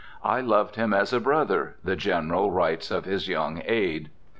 "I loved him as a brother," the General writes of his young aid.